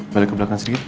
balik ke belakang sedikit